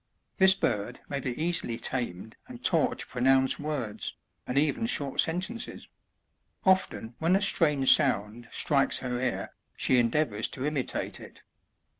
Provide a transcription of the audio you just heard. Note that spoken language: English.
This bird may be easily tamed and taught to pronounce words, and even short sentences ; often when a strange sound strikes her ear, she endeavours to imitate it.